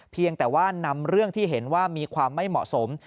เพียงแต่ว่านำเรื่องที่เห็นว่ามีความไม่เหมาะสม